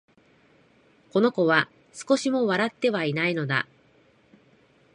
この子は、少しも笑ってはいないのだ